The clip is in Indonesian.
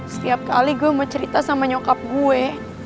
setiap kali gue mau cerita sama nyokap gue